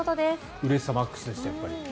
うれしさマックスでしたやっぱり。